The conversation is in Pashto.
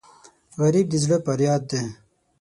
غریب د زړه فریاد دی